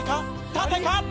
縦か？